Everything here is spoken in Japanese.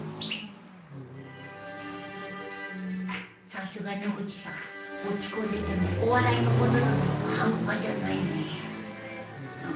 さすが野口さん落ち込んでてもお笑いのこととなると半端じゃないね